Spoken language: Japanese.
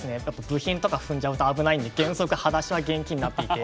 部品とか踏んじゃうと危ないんで原則はだしは厳禁になっていて。